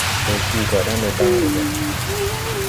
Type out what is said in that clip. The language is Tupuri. Ndɔ hu ga ɗa ndɔ daŋ re gà.